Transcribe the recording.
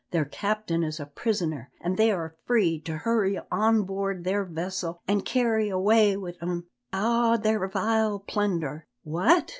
Their captain is a prisoner, an' they are free to hurry on board their vessel an' carry awa wi' them a' their vile plunder." "What!"